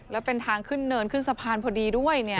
แล้วเป็นทางขึ้นเนินขึ้นสะพานพอดีด้วย